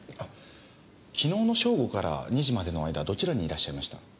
昨日の正午から２時までの間どちらにいらっしゃいました？